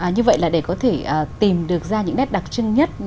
như vậy là để có thể tìm được ra những nét đặc trưng nhất